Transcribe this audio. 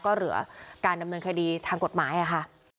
ก็เหลือการดำเนินคดีทางกฎหมายค่ะ